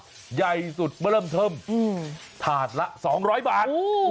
ใหญ่สุดเมื่อเริ่มเทิมถาดละ๒๐๐บาท